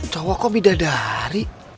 cowok kok bidadari